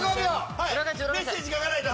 メッセージ書かないと！